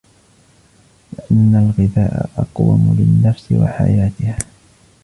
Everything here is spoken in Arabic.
لِأَنَّ الْغِذَاءَ أَقْوَمُ لِلنَّفْسِ وَحَيَاتِهَا